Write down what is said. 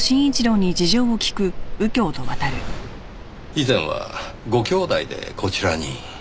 以前はご兄弟でこちらに？